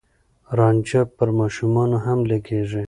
رانجه پر ماشومانو هم لګېږي.